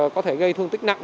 có thể gây thương tích nặng